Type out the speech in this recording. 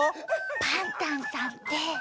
パンタンさんって。